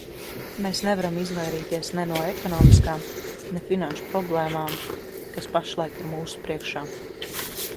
Mēs nevaram izvairīties ne no ekonomiskām, ne finanšu problēmām, kas pašlaik ir mūsu priekšā.